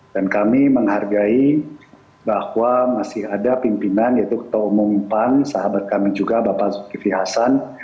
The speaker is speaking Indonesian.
dan kami menghargai bahwa masih ada pimpinan yaitu ketua umum pan sahabat kami juga bapak zulkifri hasan